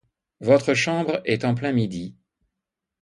Votre chambre est en plein midi.